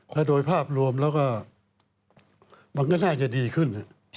ถ้าโดยภาพรวมแล้วก็มันก็น่าจะดีขึ้น